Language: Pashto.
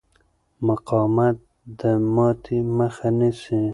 مقاومت د ماتې مخه نیسي.